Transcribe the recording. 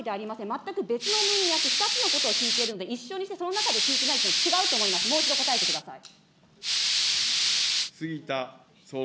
全く別の文脈、２つのことを聞いてるんで、一緒にしてその中で聞いてないというのは違うと思います、もう一度答えてください。